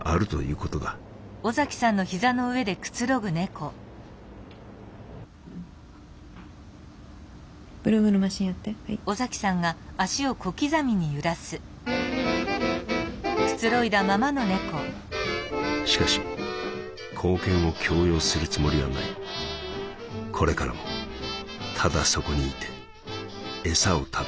これからもただそこにいて餌を食べいたずらをし眠る。